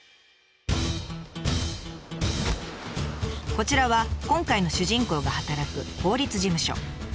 こちらは今回の主人公が働く法律事務所。